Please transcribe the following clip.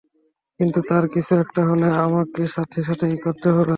কিন্তু তার কিছু একটা হলে আমাকে সাথে সাথেই করতে হবে।